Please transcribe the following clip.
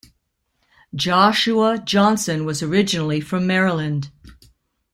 Joshua Johnson was originally from Maryland.